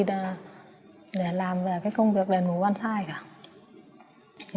để làm về cái công việc đền mù one size cả